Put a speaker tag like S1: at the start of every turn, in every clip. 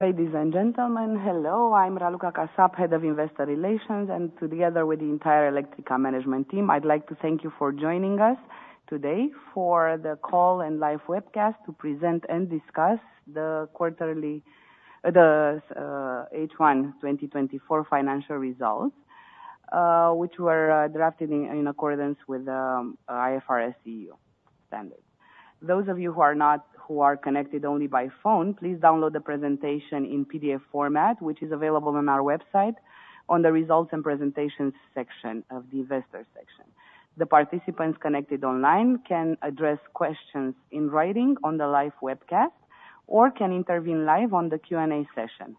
S1: ...Ladies and gentlemen, hello, I'm Raluca Kasap, Head of Investor Relations, and together with the entire Electrica management team, I'd like to thank you for joining us today for the call and live webcast to present and discuss the quarterly H1 2024 financial results, which were drafted in accordance with IFRS standards. Those of you who are connected only by phone, please download the presentation in PDF format, which is available on our website on the Results and Presentations section of the Investor section. The participants connected online can address questions in writing on the live webcast or can intervene live on the Q&A session.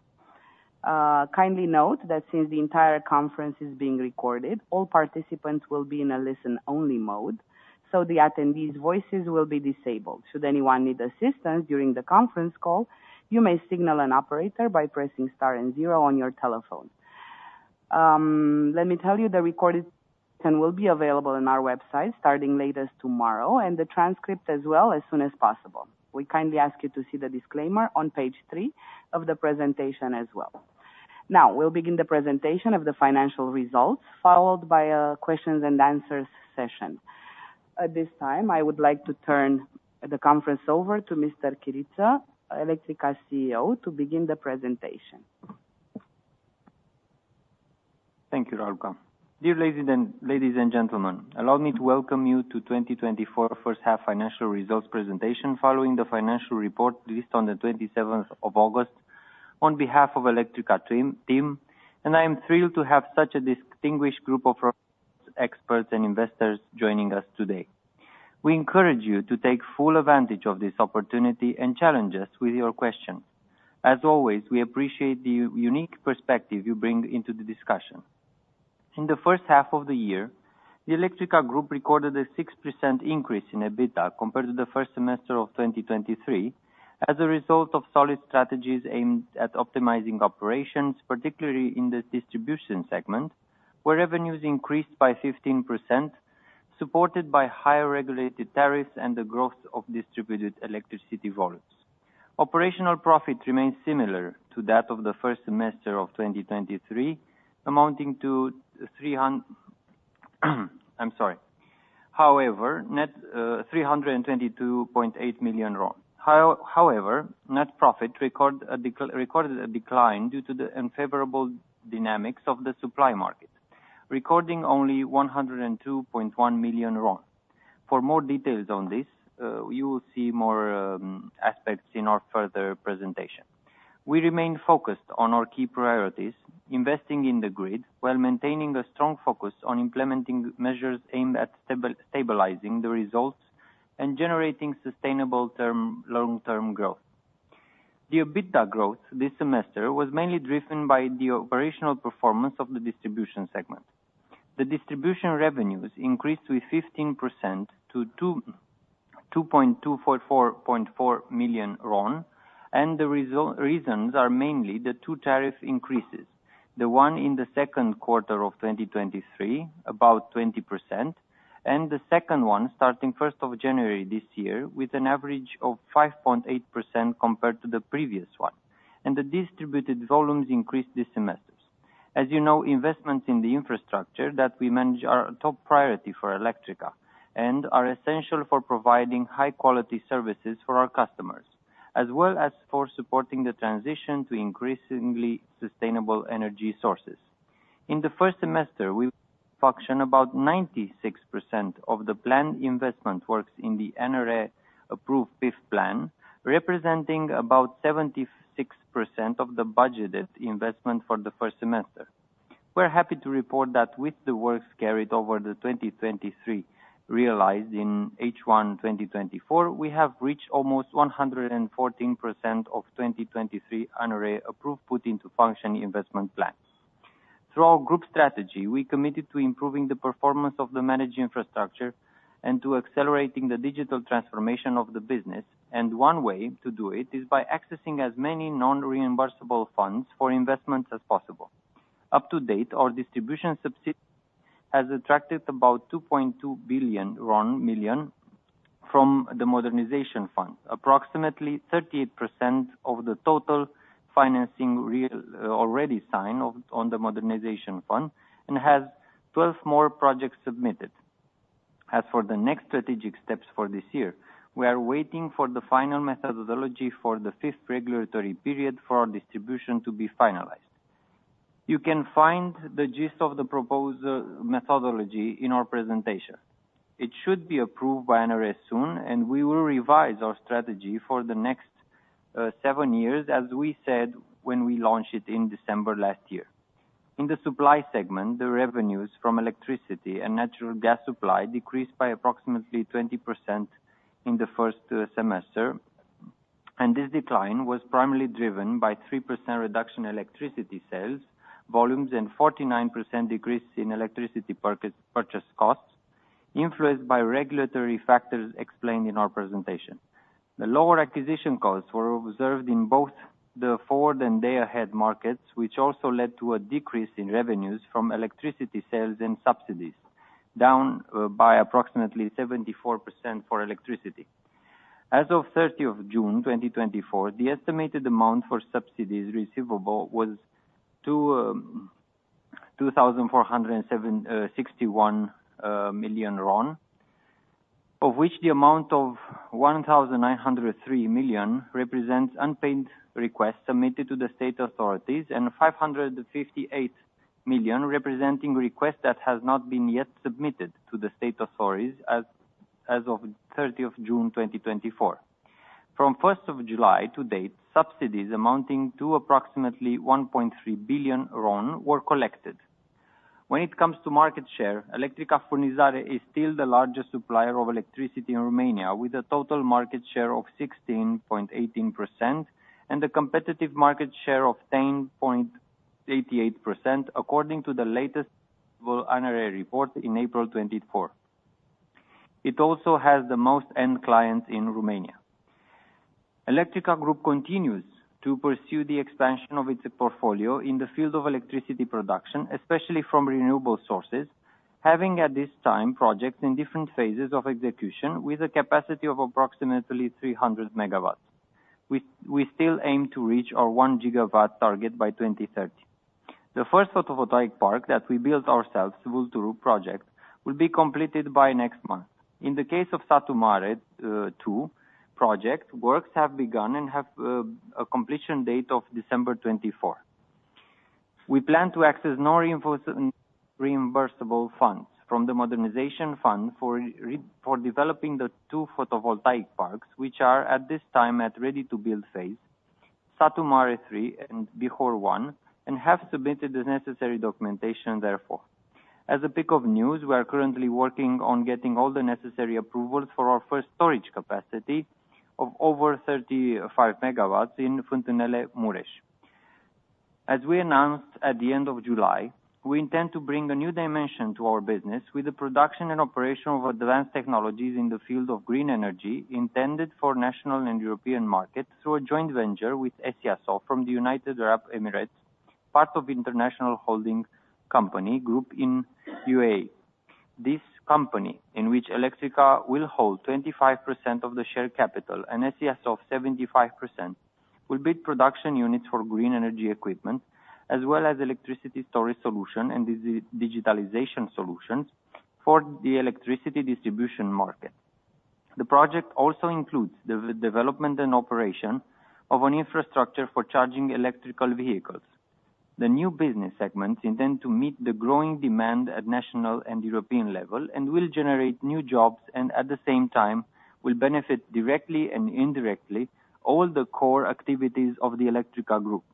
S1: Kindly note that since the entire conference is being recorded, all participants will be in a listen-only mode, so the attendees' voices will be disabled. Should anyone need assistance during the conference call, you may signal an operator by pressing star and zero on your telephone. Let me tell you, the recording will be available on our website starting late as tomorrow, and the transcript as well, as soon as possible. We kindly ask you to see the disclaimer on page three of the presentation as well. Now, we'll begin the presentation of the financial results, followed by question-and-answer session. At this time, I would like to turn the conference over to Mr. Chiriță, Electrica CEO, to begin the presentation.
S2: Thank you, Raluca. Dear ladies and gentlemen, allow me to welcome you to 2024 first half financial results presentation, following the financial report released on the 27 August 2023 on behalf of Electrica team, and I am thrilled to have such a distinguished group of experts and investors joining us today. We encourage you to take full advantage of this opportunity and challenge us with your question. As always, we appreciate the unique perspective you bring into the discussion. In the first half of the year, the Electrica Group recorded a 6% increase in EBITDA compared to the first semester of 2023, as a result of solid strategies aimed at optimizing operations, particularly in the distribution segment, where revenues increased by 15%, supported by higher regulated tariffs and the growth of distributed electricity volumes. Operational profit remains similar to that of the first semester of 2023, amounting to RON 322.8 million. However, net profit recorded a decline due to the unfavorable dynamics of the supply market, recording only RON 102.1 million. For more details on this, you will see more aspects in our further presentation. We remain focused on our key priorities, investing in the grid, while maintaining a strong focus on implementing measures aimed at stabilizing the results and generating sustainable long-term growth. The EBITDA growth this semester was mainly driven by the operational performance of the distribution segment. The distribution revenues increased with 15% to RON 224.4 million, and the reasons are mainly the two tariff increases: the one in the second quarter of 2023, about 20%, and the second one starting 1st of January this year, with an average of 5.8% compared to the previous one, and the distributed volumes increased this semester. As you know, investments in the infrastructure that we manage are a top priority for Electrica and are essential for providing high-quality services for our customers, as well as for supporting the transition to increasingly sustainable energy sources. In the first semester, we commissioned about 96% of the planned investment works in the NRA-approved fifth plan, representing about 76% of the budgeted investment for the first semester. We're happy to report that with the works carried over the 2023, realized in H1 2024, we have reached almost 114% of 2023 NRA-approved, put into function investment plans. Through our group strategy, we committed to improving the performance of the managed infrastructure and to accelerating the digital transformation of the business, and one way to do it is by accessing as many non-reimbursable funds for investments as possible. To date, our distribution subsidiary has attracted about RON 2.2 billion from the Modernization Fund, approximately 38% of the total financing already signed on, on the Modernization Fund, and has 12 more projects submitted. As for the next strategic steps for this year, we are waiting for the final methodology for the fifth regulatory period for our distribution to be finalized. You can find the gist of the proposal methodology in our presentation. It should be approved by NRA soon, and we will revise our strategy for the next seven years, as we said when we launched it in December last year. In the supply segment, the revenues from electricity and natural gas supply decreased by approximately 20% in the first semester, and this decline was primarily driven by 3% reduction in electricity sales volumes, and 49% decrease in electricity purchase costs, influenced by regulatory factors explained in our presentation. The lower acquisition costs were observed in both the forward and day-ahead markets, which also led to a decrease in revenues from electricity sales and subsidies down by approximately 74% for electricity. As of 30 June 2024, the estimated amount for subsidies receivable was RON 2,407.61 million, of which the amount of RON 1,903 million represents unpaid requests submitted to the state authorities, and RON 558 million, representing requests that have not been yet submitted to the state authorities as of 30 June 2024. From 1 July to date, subsidies amounting to approximately RON 1.3 billion were collected. When it comes to market share, Electrica Furnizare is still the largest supplier of electricity in Romania, with a total market share of 16.18% and a competitive market share of 10.88%, according to the latest annual report in April 2024. It also has the most end clients in Romania. Electrica Group continues to pursue the expansion of its portfolio in the field of electricity production, especially from renewable sources, having, at this time, projects in different phases of execution with a capacity of approximately 300 MW. We still aim to reach our 1 GW target by 2030. The first photovoltaic park that we built ourselves, Vulturu Project, will be completed by next month. In the case of Satu Mare 2 project, works have begun and have a completion date of December 2024. We plan to access non-reimbursable funds from the Modernization Fund for developing the two photovoltaic parks, which are, at this time, at ready-to-build phase, Satu Mare 3 and Bihor 1, and have submitted the necessary documentation therefore. As a bit of news, we are currently working on getting all the necessary approvals for our first storage capacity of over 35 MW in Fântânele, Mureș. As we announced at the end of July, we intend to bring a new dimension to our business with the production and operation of advanced technologies in the field of green energy, intended for national and European markets, through a joint venture with Esyasoft from the United Arab Emirates, part of International Holding Company Group in the UAE. This company, in which Electrica will hold 25% of the share capital and Esyasoft of 75%, will build production units for green energy equipment, as well as electricity storage solution and digitalization solutions for the electricity distribution market. The project also includes the development and operation of an infrastructure for charging electric vehicles. The new business segments intend to meet the growing demand at national and European level, and will generate new jobs and, at the same time, will benefit directly and indirectly, all the core activities of the Electrica Group.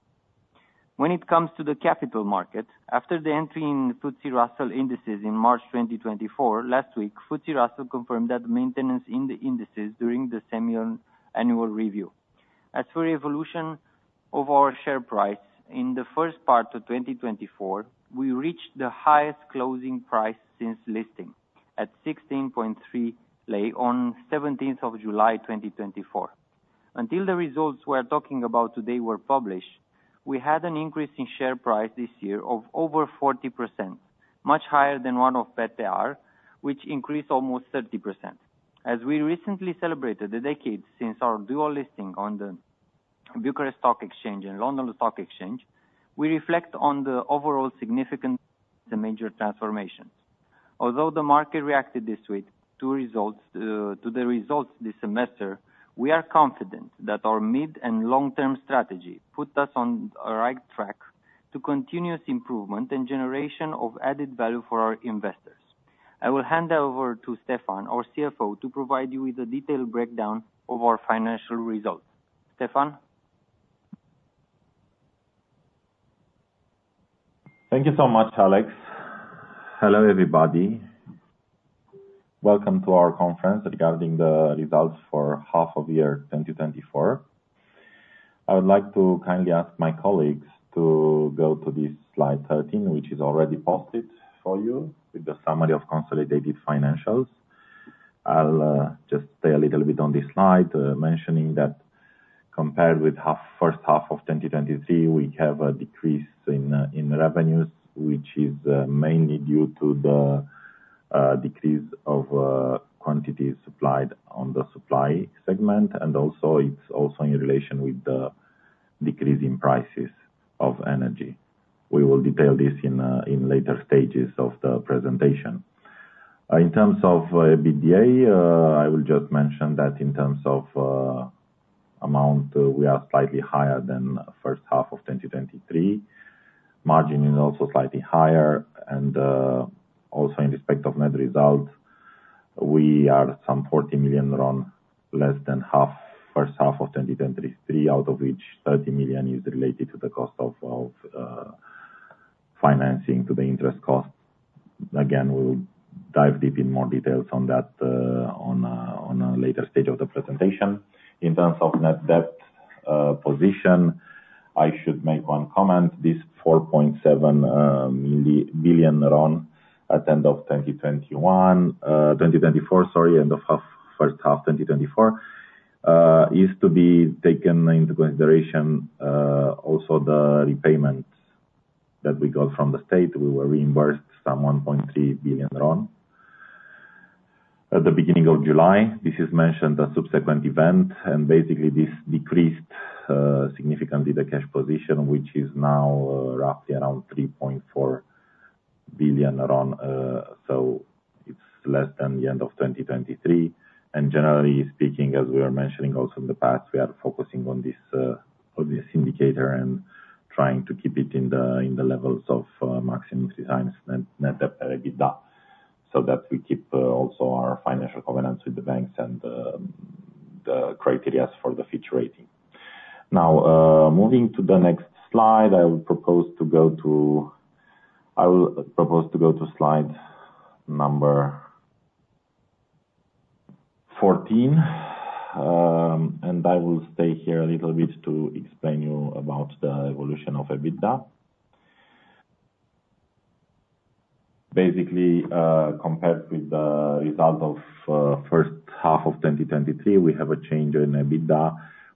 S2: When it comes to the capital market, after the entry in FTSE Russell Indices in March 2024, last week, FTSE Russell confirmed that maintenance in the indices during the semi-annual review. As for evolution of our share price, in the first part of 2024, we reached the highest closing price since listing, at RON 16.3 on 17 July 2024. Until the results we are talking about today were published, we had an increase in share price this year of over 40%, much higher than one of BET-TR, which increased almost 30%. As we recently celebrated the decade since our dual listing on the Bucharest Stock Exchange and London Stock Exchange, we reflect on the overall significant, the major transformations. Although the market reacted this week to the results this semester, we are confident that our mid- and long-term strategy put us on the right track to continuous improvement and generation of added value for our investors. I will hand over to Ștefan, our CFO, to provide you with a detailed breakdown of our financial results. Ștefan?
S3: Thank you so much, Alex. Hello, everybody. Welcome to our conference regarding the results for the first half of 2024. I would like to kindly ask my colleagues to go to this slide 13, which is already posted for you, with the summary of consolidated financials. I'll just stay a little bit on this slide, mentioning that compared with the first half of 2023, we have a decrease in revenues, which is mainly due to the decrease of quantity supplied on the supply segment, and also it's also in relation with the decrease in prices of energy. We will detail this in later stages of the presentation. In terms of EBITDA, I will just mention that in terms of amount, we are slightly higher than the first half of 2023. Margin is also slightly higher, and also in respect of net results, we are some RON 40 million less than half first half of 2023, out of which RON 30 million is related to the cost of financing, to the interest cost. Again, we'll dive deep in more details on that on a later stage of the presentation. In terms of net debt position, I should make one comment. This RON 4.7 billion at end of 2024, sorry, end of first half 2024 is to be taken into consideration also the repayments that we got from the state. We were reimbursed some RON 1.3 billion. At the beginning of July, this is mentioned a subsequent event, and basically this decreased significantly the cash position, which is now roughly around RON 3.4 billion. So it's less than the end of 2023. Generally speaking, as we were mentioning also in the past, we are focusing on this indicator and trying to keep it in the levels of maximum design net debt EBITDA, so that we keep also our financial covenants with the banks and the criteria for the future rating. Now, moving to the next slide. I will propose to go to slide number 14, and I will stay here a little bit to explain you about the evolution of EBITDA. Basically, compared with the result of first half of 2023, we have a change in EBITDA,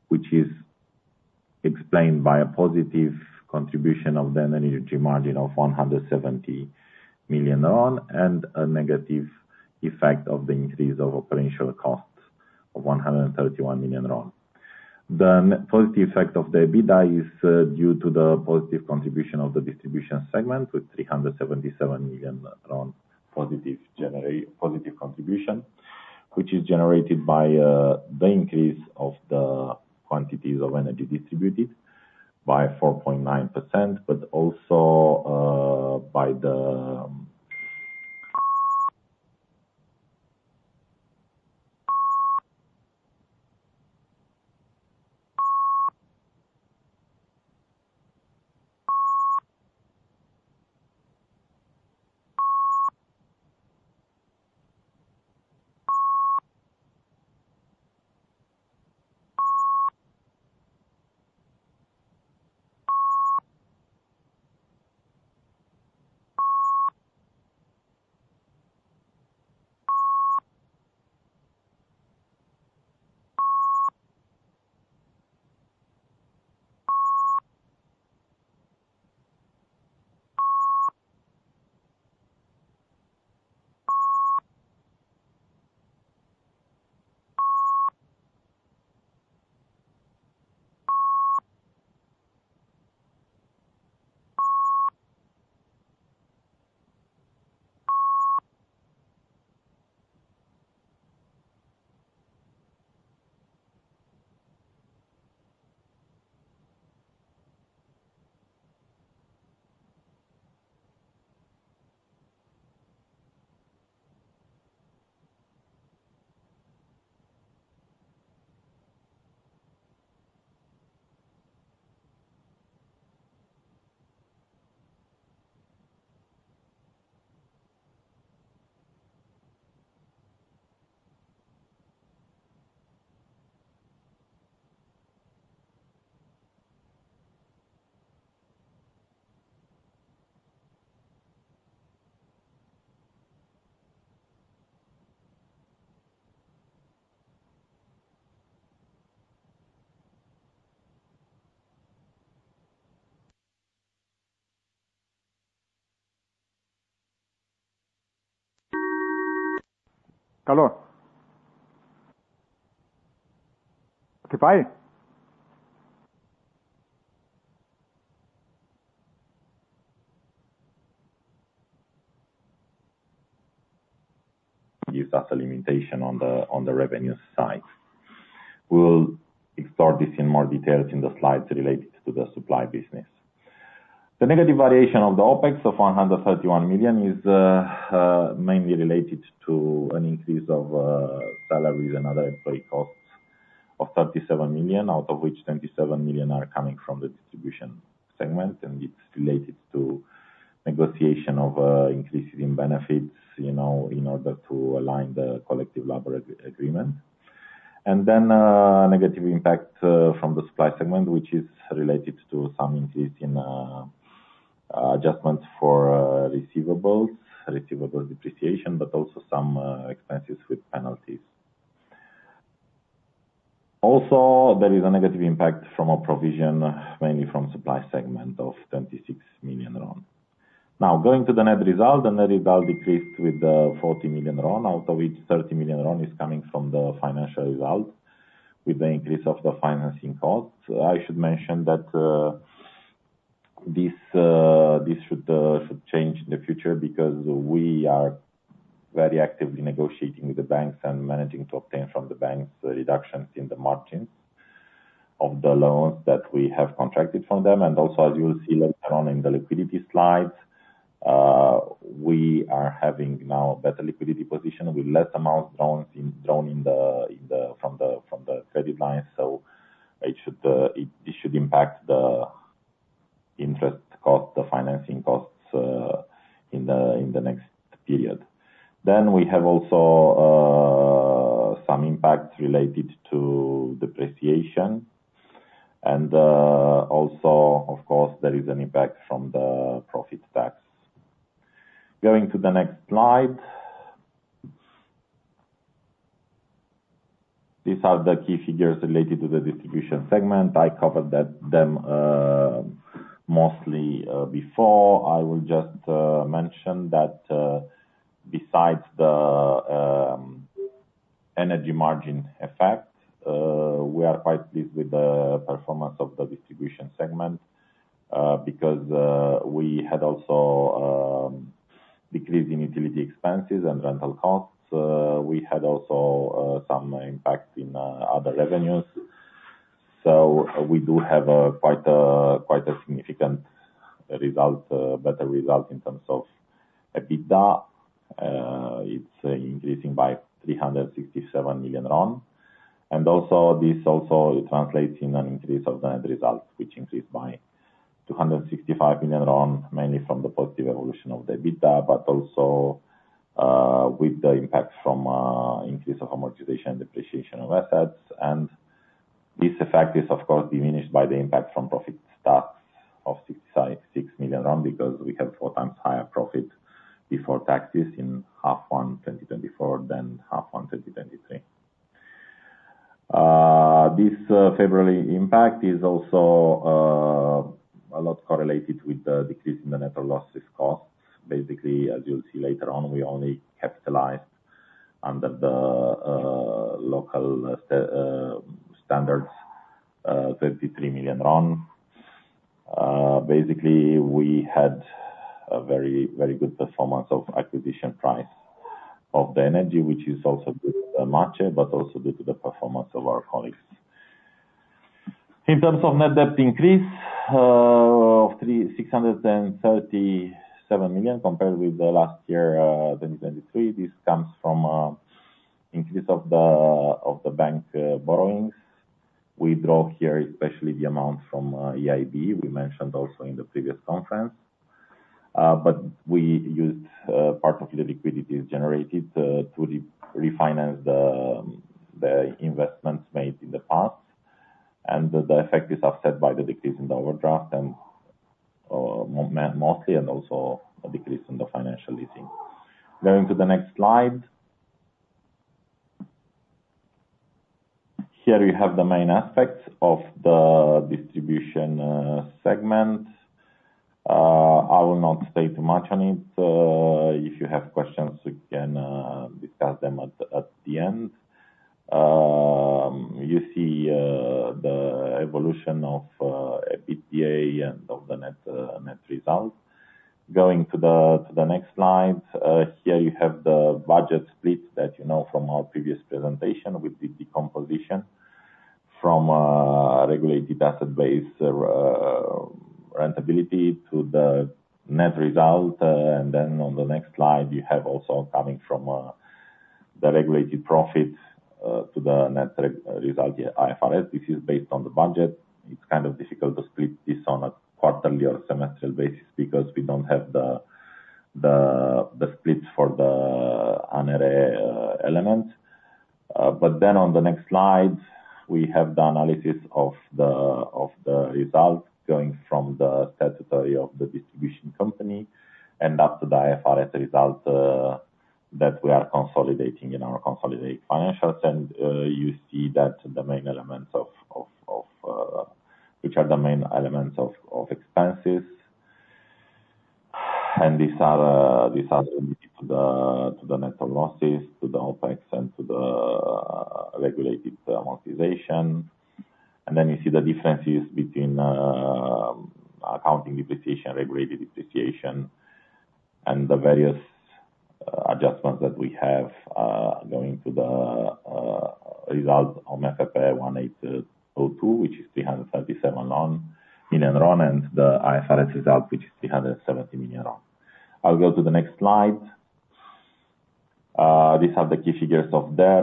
S3: which is explained by a positive contribution of the energy margin of RON 170 million, and a negative effect of the increase of operational costs of RON 131 million. The positive effect of the EBITDA is due to the positive contribution of the distribution segment, with RON 377 million positive contribution, which is generated by the increase of the quantities of energy distributed by 4.9%, but also by the gives us a limitation on the revenue side. We'll explore this in more details in the slides related to the supply business. The negative variation of the OpEx of RON 131 million is mainly related to an increase of salaries and other employee costs of RON 37 million, out of which RON 27 million are coming from the distribution segment. And it's related to negotiation of increases in benefits, you know, in order to align the collective labor agreement. And then negative impact from the supply segment, which is related to some increase in adjustments for receivables depreciation, but also some expenses with penalties. Also, there is a negative impact from a provision, mainly from supply segment of RON 26 million. Now, going to the net result. The net result decreased with the RON 40 million, out of which RON 30 million is coming from the financial result with the increase of the financing costs. I should mention that this should change in the future because we are very actively negotiating with the banks and managing to obtain from the banks reductions in the margins of the loans that we have contracted from them. And also, as you will see later on in the liquidity slides, we are having now better liquidity position with less amounts drawn in from the credit line. So it should impact the interest cost, the financing costs, in the next period. Then we have also some impacts related to depreciation. And also, of course, there is an impact from the profit tax. Going to the next slide. These are the key figures related to the distribution segment. I covered them mostly before. I will just mention that, besides the energy margin effect, we are quite pleased with the performance of the distribution segment, because we had also decrease in utility expenses and rental costs. We had also some impact in other revenues. So we do have quite a significant result, better result in terms of EBITDA. It's increasing by RON 367 million. And also, this also translates in an increase of the net result, which increased by RON 265 million, mainly from the positive evolution of the EBITDA, but also with the impact from increase of amortization and depreciation of assets. And this effect is, of course, diminished by the impact from profit tax of RON 6.6 million, because we have four times higher profit before taxes in half one, 2024 than half one, 2023. This favorable impact is also a lot correlated with the decrease in the network losses costs. Basically, as you'll see later on, we only capitalized under the local standards RON 33 million. Basically, we had a very, very good performance of acquisition price of the energy, which is also due to the market, but also due to the performance of our colleagues. In terms of net debt increase of RON 3, RON 637 million compared with the last year, 2023. This comes from increase of the bank borrowings. We draw here, especially the amount from EIB, we mentioned also in the previous conference. But we used part of the liquidity generated to re-refinance the investments made in the past. And the effect is offset by the decrease in the overdraft, and mostly, and also a decrease in the financial leasing. Going to the next slide. Here we have the main aspects of the distribution segment. I will not say too much on it. If you have questions, we can discuss them at the end. You see the evolution of EBITDA and of the net results. Going to the next slide. Here you have the budget split that you know from our previous presentation, with the decomposition from regulated asset base rentability to the net result. And then on the next slide, you have also coming from the regulated profits to the net result, IFRS. This is based on the budget. It's kind of difficult to split this on a quarterly or semester basis because we don't have the split for the ANRE element. But then on the next slide, we have the analysis of the results going from the statutory of the distribution company and up to the IFRS result that we are consolidating in our consolidated financials. You see that the main elements of expenses. And these are the net of losses, the OpEx, and the regulated amortization. And then you see the differences between, accounting depreciation, regulated depreciation, and the various, adjustments that we have, going to the, result on Order 1802, which is RON 337 million, and the IFRS result, which is RON 370 million. I'll go to the next slide. These are the key figures of the year,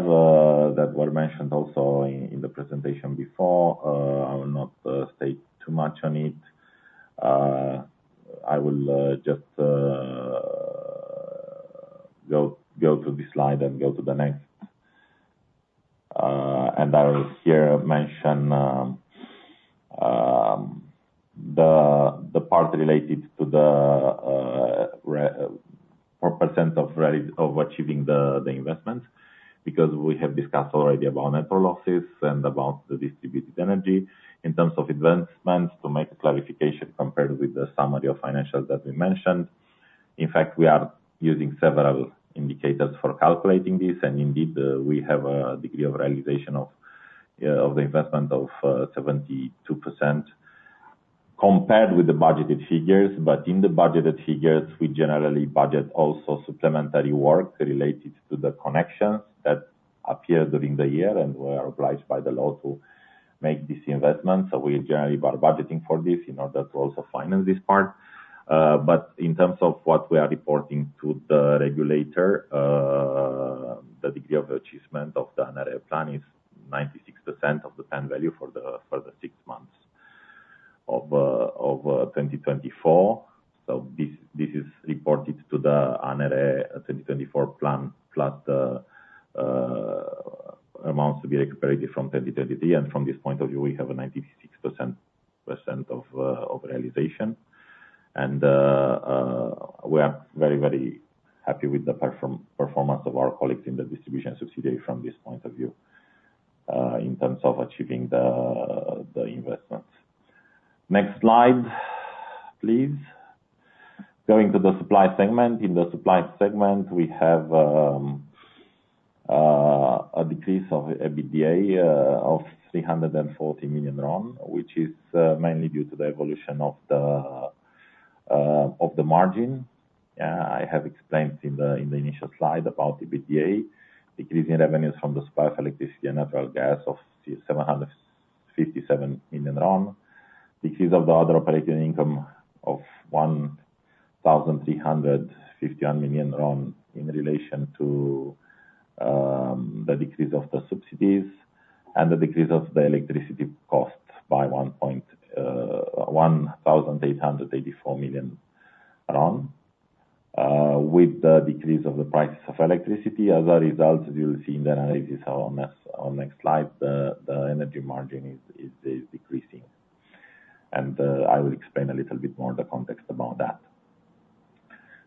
S3: that were mentioned also in the presentation before. I will not state too much on it. I will just go to this slide and go to the next. And I will here mention the part related to the recovery percent of achieving the investment, because we have discussed already about network losses and about the distributed energy. In terms of advancements, to make a clarification compared with the summary of financials that we mentioned. In fact, we are using several indicators for calculating this, and indeed, we have a degree of realization of the investment of 72% compared with the budgeted figures. But in the budgeted figures, we generally budget also supplementary work related to the connections that appear during the year, and we are obliged by the law to make this investment. So we generally are budgeting for this in order to also finance this part. But in terms of what we are reporting to the regulator, the degree of achievement of the NRA plan is 96% of the target value for the six months of 2024. So this is reported to the ANRE 2024 plan, plus the... amounts to be recovered from 2023, and from this point of view, we have a 96% of realization. We are very, very happy with the performance of our colleagues in the distribution subsidiary from this point of view, in terms of achieving the investments. Next slide, please. Going to the supply segment. In the supply segment, we have a decrease of EBITDA of RON 340 million, which is mainly due to the evolution of the margin. I have explained in the initial slide about EBITDA, decreasing revenues from the supply, electricity, and natural gas of RON 757 million. Decrease of the other operating income of RON 1,351 million in relation to the decrease of the subsidies, and the decrease of the electricity costs by RON 1,884 million with the decrease of the prices of electricity. As a result, you will see in the analysis on the next slide, the energy margin is decreasing, and I will explain a little bit more the context about that.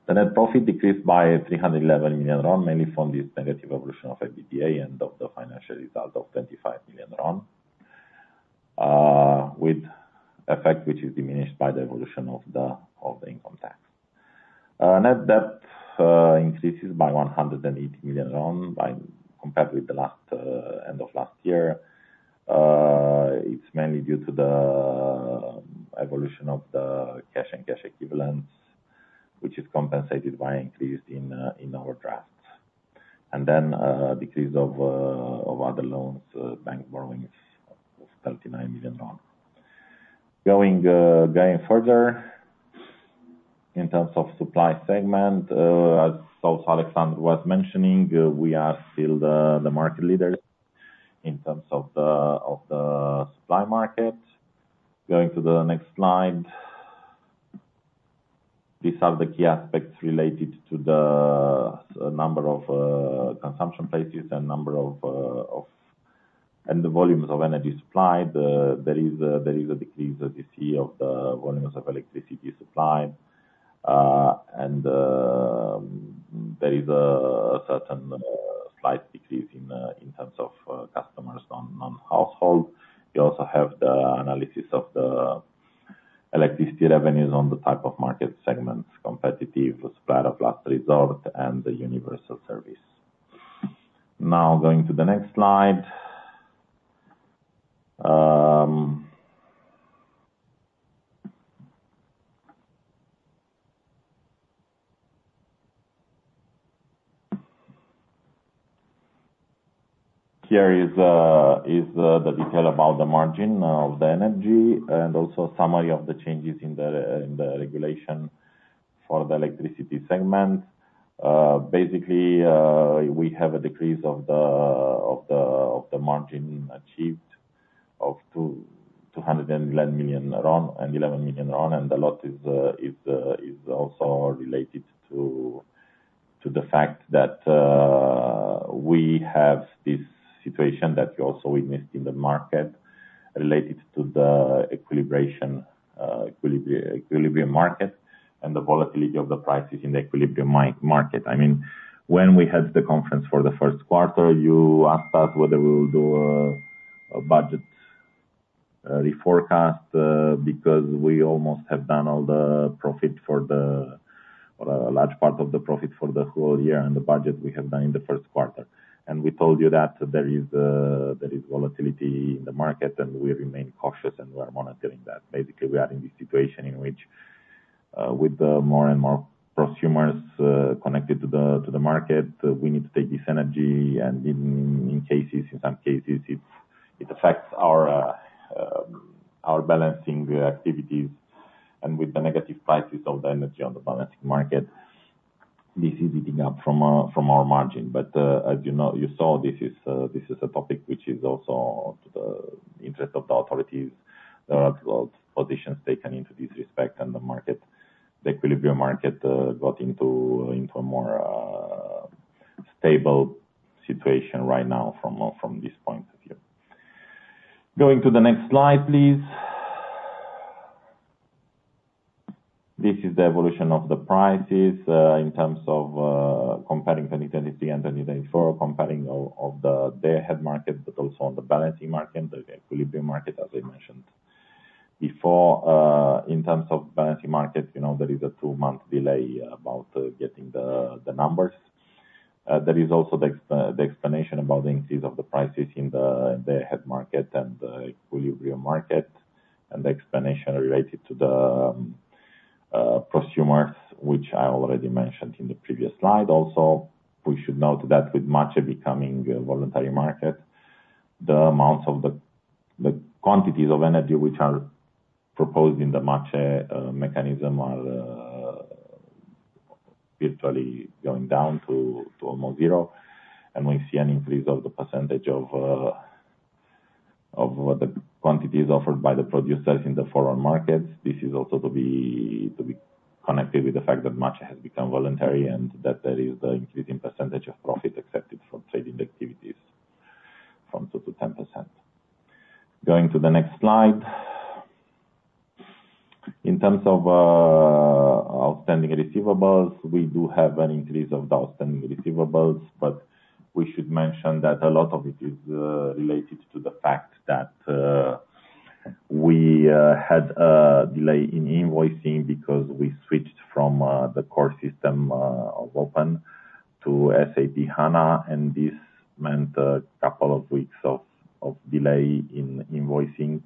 S3: The net profit decreased by RON 311 million, mainly from this negative evolution of EBITDA and of the financial result of RON 25 million, with effect, which is diminished by the evolution of the income tax. Net debt increases by RON 180 million by compared with the last end of last year. It's mainly due to the evolution of the cash and cash equivalents, which is compensated by increase in our drafts. And then, decrease of other loans. Bank borrowing is of RON 39 million. Going further, in terms of supply segment, as Alexandru was mentioning, we are still the market leader in terms of the supply market. Going to the next slide. These are the key aspects related to the number of consumption places and number of and the volumes of energy supplied. There is a decrease that you see of the volumes of electricity supplied. And there is a certain slight decrease in terms of customers on non-household. You also have the analysis of the electricity revenues on the type of market segments, competitive, supplier of last resort, and the universal service. Now, going to the next slide. Here is the detail about the margin of the energy, and also summary of the changes in the regulation for the electricity segment. Basically, we have a decrease of the margin achieved of RON 211 million and RON 11 million, and a lot is also related to the fact that we have this situation that you also witnessed in the market, related to the equilibrium market, and the volatility of the prices in the equilibrium market. I mean, when we had the conference for the first quarter, you asked us whether we will do a budget reforecast, because we almost have done all the profit for the, or a large part of the profit for the whole year, and the budget we have done in the first quarter, and we told you that there is, there is volatility in the market, and we remain cautious, and we are monitoring that. Basically, we are in this situation in which, with the more and more prosumers, connected to the market, we need to take this energy, and in cases, in some cases, it affects our balancing activities. And with the negative prices of the energy on the balancing market, this is eating up from our margin. But as you know, you saw this is a topic which is also to the interest of the authorities. There are positions taken into this respect, and the market, the equilibrium market, got into a more stable situation right now from this point of view. Going to the next slide, please. This is the evolution of the prices in terms of comparing 2023 and 2024, the day ahead market, but also on the balancing market, the equilibrium market, as I mentioned. Before, in terms of balancing market, you know, there is a two-month delay about getting the numbers. There is also the explanation about the increase of the prices in the day-ahead market and the equilibrium market, and the explanation related to the prosumers, which I already mentioned in the previous slide. Also, we should note that with MACE becoming a voluntary market, the amounts of the quantities of energy which are proposed in the MACE mechanism are virtually going down to almost zero, and we see an increase of the percentage of the quantities offered by the producers in the forward markets. This is also to be connected with the fact that MACE has become voluntary and that there is the increasing percentage of profit accepted from trading activities from 2% to 10%. Going to the next slide. In terms of outstanding receivables, we do have an increase of the outstanding receivables, but we should mention that a lot of it is related to the fact that we had a delay in invoicing because we switched from the core system of Open to SAP HANA, and this meant a couple of weeks of delay in invoicing.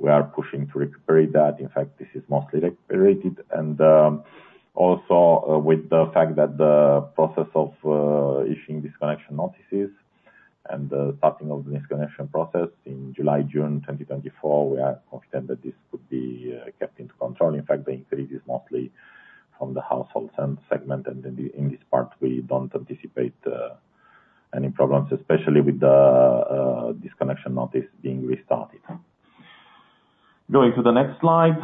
S3: We are pushing to recuperate that. In fact, this is mostly recuperated, and also with the fact that the process of issuing disconnection notices and the starting of the disconnection process in July, June 2024, we are confident that this could be kept into control. In fact, the increase is mostly from the households and segment, and in this part, we don't anticipate any problems, especially with the disconnection notice being restarted. Going to the next slide.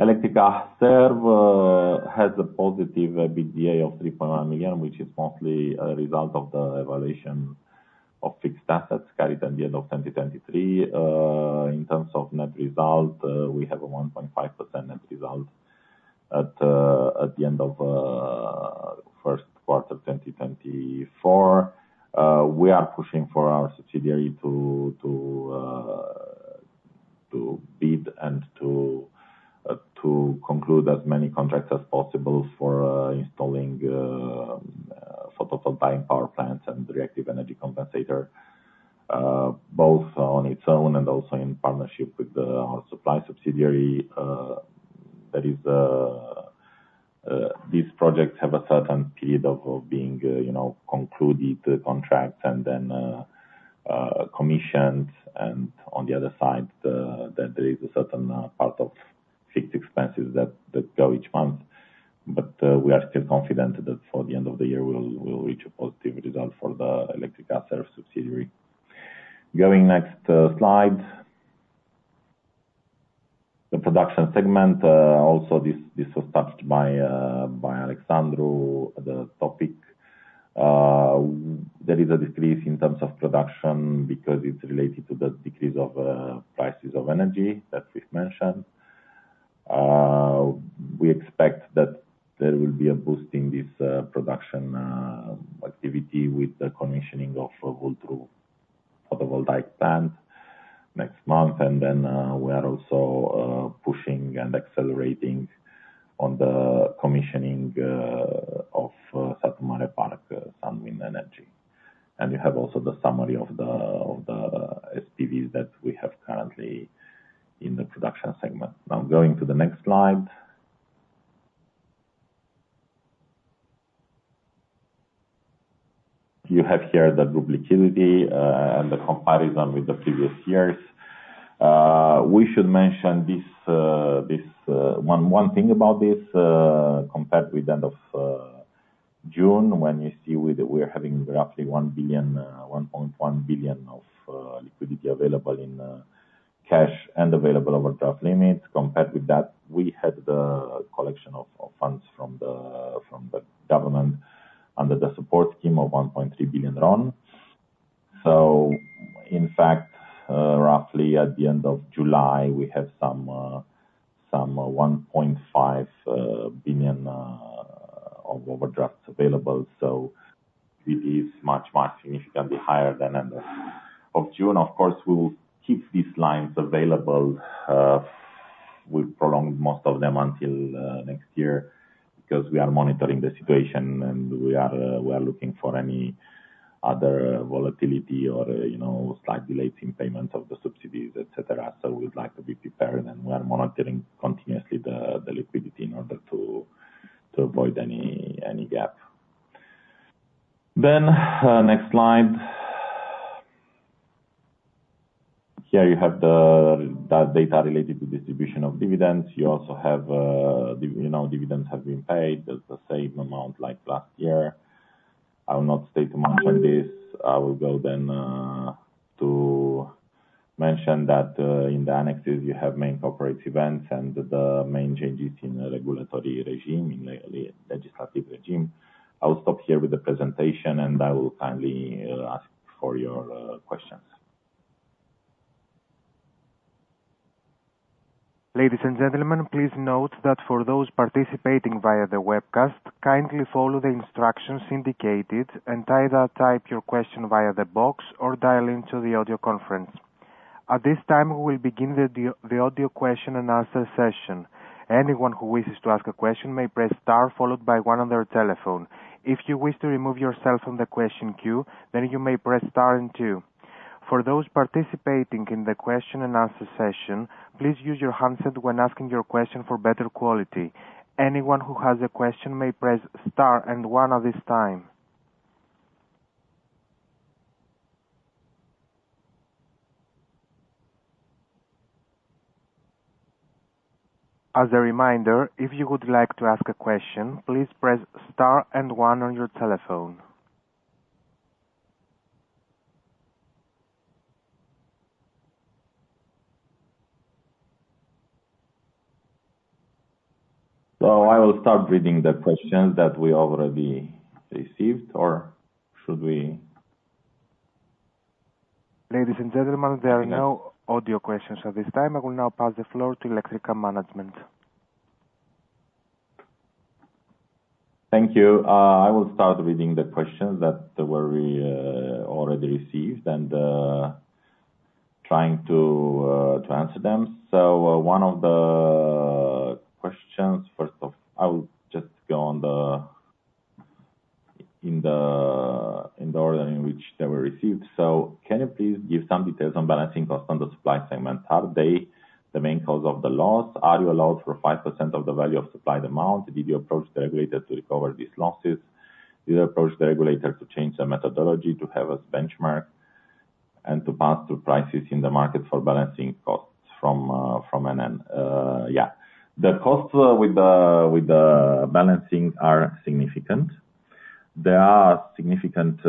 S3: Electrica Serv has a positive EBITDA of RON 3.1 million, which is mostly a result of the evaluation of fixed assets carried at the end of 2023. In terms of net result, we have a 1.5% net result. At the end of first quarter 2024, we are pushing for our subsidiary to bid and to conclude as many contracts as possible for installing photovoltaic power plants and reactive energy compensator, both on its own and also in partnership with our supply subsidiary. That is, these projects have a certain period of being, you know, concluded contracts and then commissioned, and on the other side, that there is a certain part of fixed expenses that go each month. But, we are still confident that for the end of the year, we'll reach a positive result for the Electrica Serv subsidiary. Going next, slide. The production segment, also this was touched by, by Alexandru, the topic. There is a decrease in terms of production because it's related to the decrease of prices of energy that we've mentioned. We expect that there will be a boost in this production activity with the commissioning of Vulturu Photovoltaic plant next month. And then, we are also pushing and accelerating on the commissioning of Satu Mare 2 Park, Sunwind Energy. And you have also the summary of the SPVs that we have currently in the production segment. Now, going to the next slide. You have here the group liquidity, and the comparison with the previous years. We should mention this one thing about this, compared with end of June, when you see we're having roughly one billion, one point one billion of liquidity available in cash and available overdraft limit. Compared with that, we had the collection of funds from the government under the support scheme of RON 1.3 billion. So in fact, roughly at the end of July, we have some 1.5 billion of overdrafts available. So it is much significantly higher than end of June. Of course, we will keep these lines available. We prolonged most of them until next year because we are monitoring the situation, and we are looking for any other volatility or, you know, slight delays in payments of the subsidies, et cetera. So we'd like to be prepared, and we are monitoring continuously the liquidity in order to avoid any gap. Then, next slide. Here you have the data related to distribution of dividends. You also have, you know, dividends have been paid. There's the same amount like last year. I will not state much on this. I will go then to mention that in the annexes you have main corporate events and the main changes in the regulatory regime, in the legislative regime. I will stop here with the presentation, and I will kindly ask for your questions.
S4: Ladies and gentlemen, please note that for those participating via the webcast, kindly follow the instructions indicated and either type your question via the box or dial into the audio conference. At this time, we will begin the audio question-and-answer session. Anyone who wishes to ask a question may press star followed by one on their telephone. If you wish to remove yourself from the question queue, then you may press star and two. For those participating in the question-and-answer session, please use your handset when asking your question for better quality. Anyone who has a question may press star and one at this time. As a reminder, if you would like to ask a question, please press star and one on your telephone.
S3: So I will start reading the questions that we already received, or should we?
S4: Ladies and gentlemen, there are no audio questions at this time. I will now pass the floor to Electrica management.
S3: Thank you. I will start reading the questions that we already received and trying to answer them. One of the questions, I will just go in the order in which they were received. Can you please give some details on balancing costs on the supply segment? Are they the main cause of the loss? Are you allowed for 5% of the value of supplied amount? Did you approach the regulator to recover these losses? Did you approach the regulator to change the methodology, to have as benchmark and to pass through prices in the market for balancing costs from ANRE? Yeah. The costs with the balancing are significant. There is a significant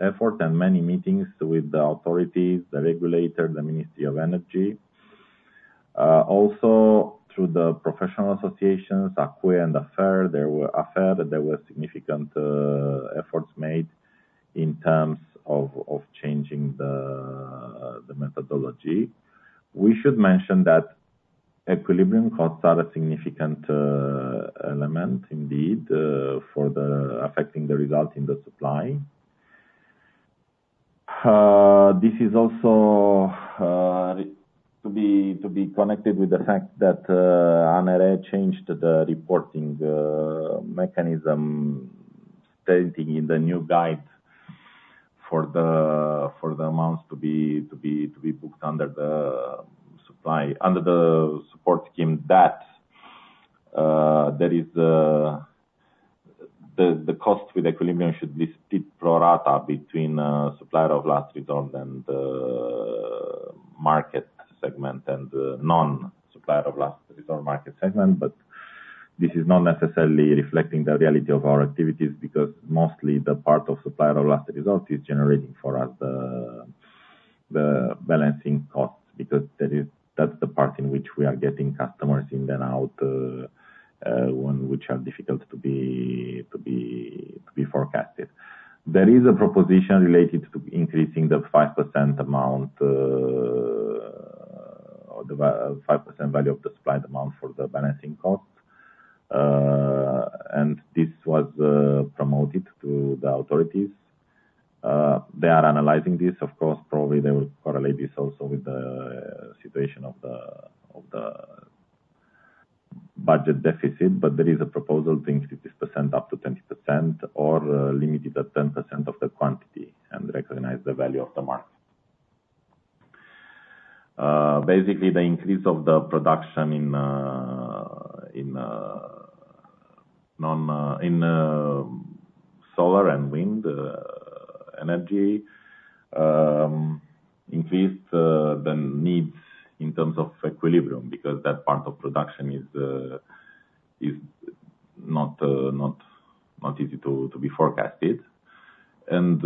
S3: effort and many meetings with the authorities, the regulator, the Ministry of Energy. Also through the professional associations, ACUE and AFEER, there were significant efforts made in terms of changing the methodology. We should mention that equilibrium costs are a significant element indeed for affecting the result in the supply. This is also to be connected with the fact that ANRE changed the reporting mechanism, stating in the new guide for the amounts to be booked under the supply, under the support scheme, that there is the cost with equilibrium should be strict pro rata between supplier of last resort and market segment and non-supplier of last resort market segment. But this is not necessarily reflecting the reality of our activities, because mostly the part of supplier of last resort is generating for us the balancing costs, because there is, that's the part in which we are getting customers in and out, one which are difficult to be forecasted. There is a proposition related to increasing the 5% amount, or the 5% value of the supplied amount for the balancing cost. And this was promoted to the authorities. They are analyzing this, of course, probably they will correlate this also with the situation of the budget deficit. But there is a proposal to increase this percent up to 20% or limit it at 10% of the quantity and recognize the value of the market. Basically, the increase of the production in solar and wind energy increased the needs in terms of equilibrium, because that part of production is not easy to be forecasted, and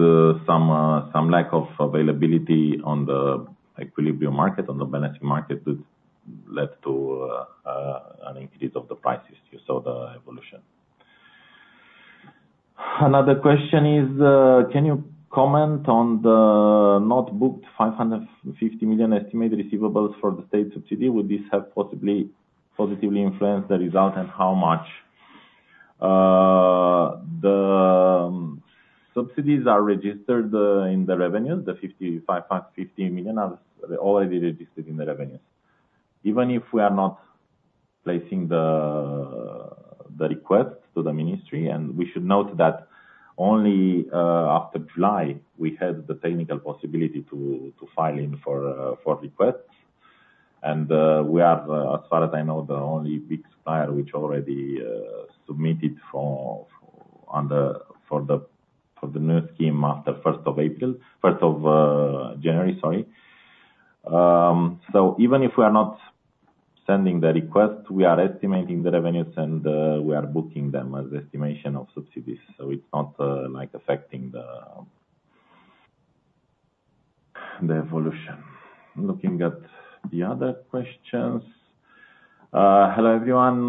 S3: some lack of availability on the equilibrium market, on the balancing market, has led to an increase of the prices. You saw the evolution.
S2: Another question is, can you comment on the not booked RON 550 million estimated receivables for the state subsidy? Would this have possibly positively influenced the result, and how much? The subsidies are registered in the revenue. The RON 55, RON 550 million are already registered in the revenues. Even if we are not placing the request to the ministry, and we should note that only after July, we had the technical possibility to file in for requests. And we are, as far as I know, the only big supplier which already submitted for the new scheme after 1st of April. 1st of January, sorry. So even if we are not sending the request, we are estimating the revenues and we are booking them as estimation of subsidies, so it's not like affecting the evolution. Looking at the other questions. Hello, everyone.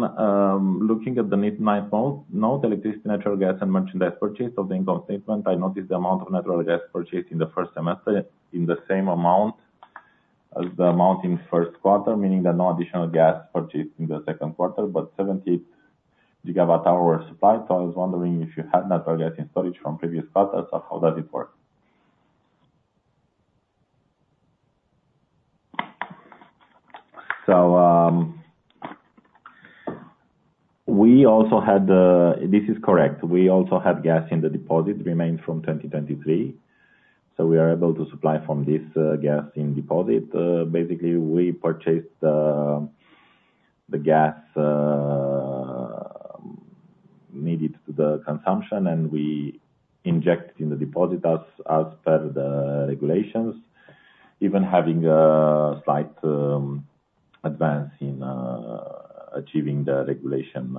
S2: Looking at Note 9, note there exist natural gas and merchandise purchase of the income statement, I noticed the amount of natural gas purchased in the first semester in the same amount as the amount in first quarter, meaning that no additional gas purchased in the second quarter, but 70 GWh supply. So I was wondering if you had natural gas in storage from previous quarters, or how does it work? We also had the. This is correct. We also had gas in the storage remained from 2023, so we are able to supply from this gas in storage. Basically, we purchased the gas needed to the consumption, and we inject in the storage as per the regulations, even having a slight advance in achieving the regulation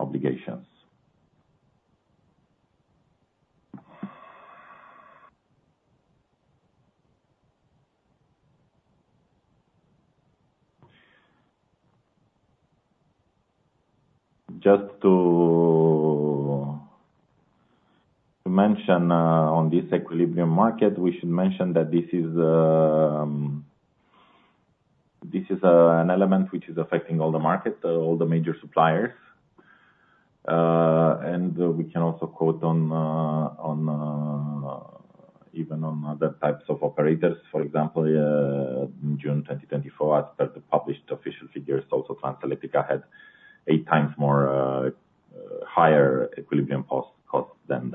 S2: obligations. Just to mention on this equilibrium market, we should mention that this is an element which is affecting all the markets, all the major suppliers. And we can also quote on even on other types of operators. For example, in June 2024, as per the published official figures, also Transelectrica had eight times higher equilibrium cost than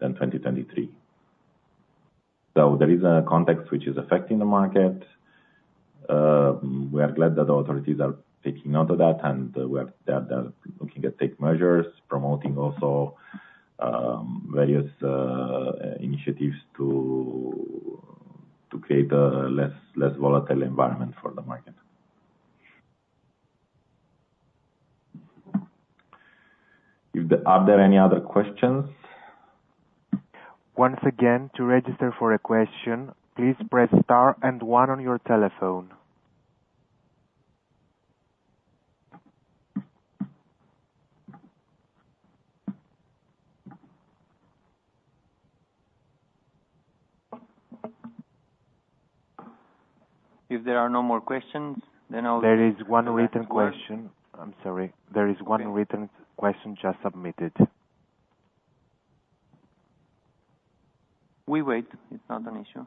S2: 2023. So there is a context which is affecting the market. We are glad that the authorities are taking note of that, and they are looking to take measures, promoting also various initiatives to create a less volatile environment for the market. Are there any other questions?
S4: Once again, to register for a question, please press star and one on your telephone.
S2: If there are no more questions, then I'll-
S4: There is one written question. I'm sorry. There is one written question just submitted.
S2: We wait. It's not an issue.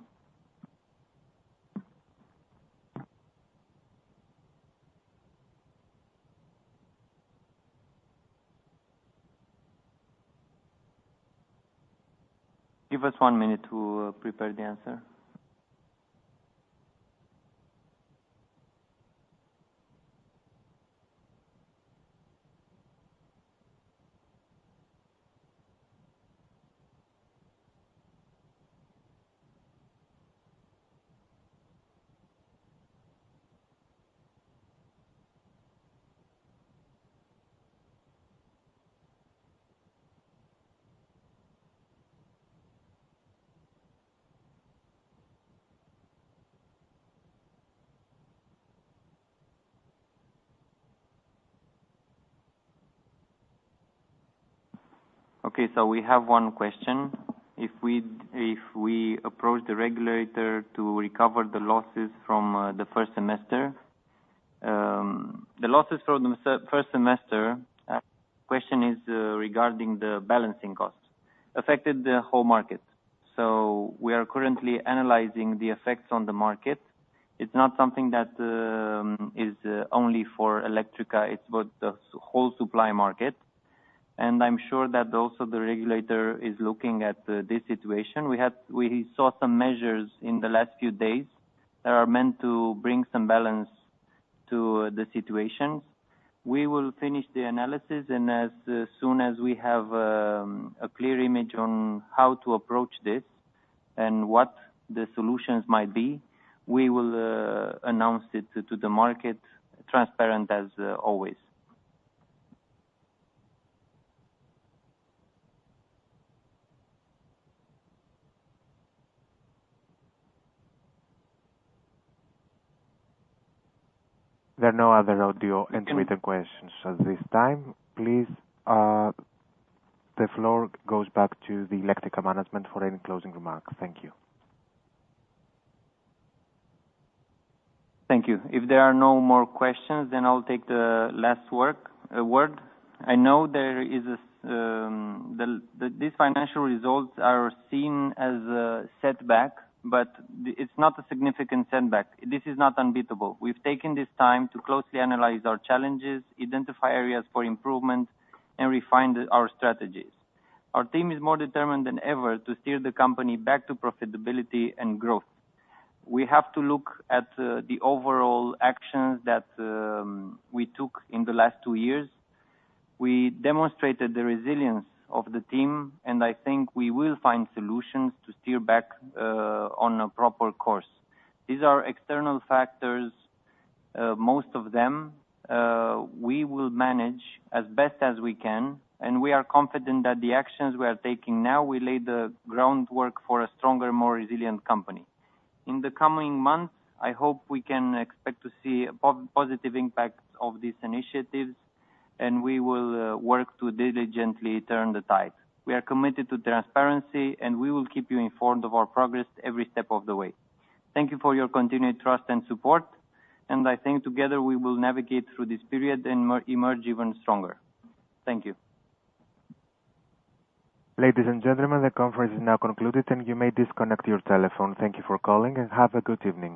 S2: Give us one minute to prepare the answer. Okay, so we have one question. If we, if we approach the regulator to recover the losses from the first semester. The losses from the first semester, question is regarding the balancing costs, affected the whole market. So we are currently analyzing the effects on the market. It's not something that is only for Electrica, it's about the whole supply market. And I'm sure that also the regulator is looking at this situation. We saw some measures in the last few days that are meant to bring some balance to the situation. We will finish the analysis, and as soon as we have a clear image on how to approach this and what the solutions might be, we will announce it to the market, transparent as always.
S4: There are no other audio and Twitter questions at this time. Please, the floor goes back to the Electrica management for any closing remarks. Thank you.
S2: Thank you. If there are no more questions, then I'll take the last word. I know that these financial results are seen as a setback, but it's not a significant setback. This is not unbeatable. We've taken this time to closely analyze our challenges, identify areas for improvement, and refine our strategies. Our team is more determined than ever to steer the company back to profitability and growth. We have to look at the overall actions that we took in the last two years. We demonstrated the resilience of the team, and I think we will find solutions to steer back on a proper course. These are external factors, most of them, we will manage as best as we can, and we are confident that the actions we are taking now, will lay the groundwork for a stronger, more resilient company. In the coming months, I hope we can expect to see a positive impact of these initiatives, and we will, work to diligently turn the tide. We are committed to transparency, and we will keep you informed of our progress every step of the way. Thank you for your continued trust and support, and I think together we will navigate through this period and emerge even stronger. Thank you.
S4: Ladies and gentlemen, the conference is now concluded, and you may disconnect your telephone. Thank you for calling, and have a good evening.